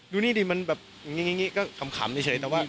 ดูนี่ดิมันแบบอย่างนี้ก็ขำเฉยแต่ว่า